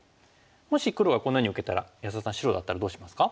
もし黒がこのように受けたら安田さん白だったらどうしますか？